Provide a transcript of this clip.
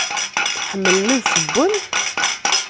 Ḥemmlen ad ssewwen?